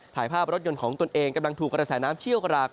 ถ่ายภาพรถยนต์ของตนเองกำลังถูกกระแสน้ำเชี่ยวกราก